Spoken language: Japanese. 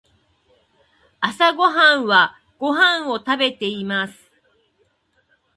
朝ごはんはご飯を食べています。